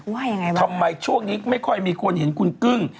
ว่ายังไงบ้างทำไมช่วงนี้ไม่ค่อยมีคนเห็นคุณกึ้ง